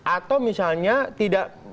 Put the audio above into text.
atau misalnya tidak